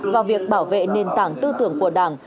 vào việc bảo vệ nền tảng tư tưởng của đảng